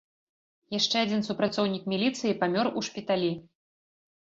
Яшчэ адзін супрацоўнік міліцыі памёр у шпіталі.